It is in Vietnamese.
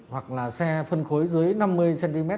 hoặc là xe phân khối dưới năm mươi cm